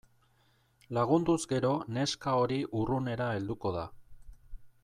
Lagunduz gero neska hori urrunera helduko da.